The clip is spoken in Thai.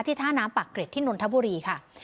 ท่าน้ำปากเกร็ดที่นนทบุรีค่ะ